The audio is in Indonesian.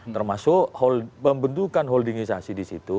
termasuk pembentukan holdingisasi di situ